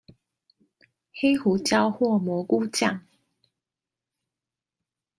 黑胡椒或蘑菇醬